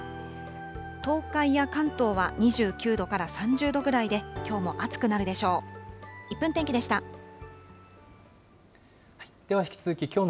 東海や関東は２９度から３０度ぐらいで、きょうも暑くなるでしょう。